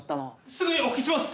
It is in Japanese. すぐにお拭きします！